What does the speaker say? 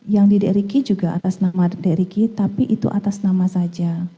yang di d ricky juga atas nama d ricky tapi itu atas nama saja